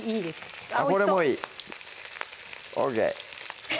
これもいいＯＫ！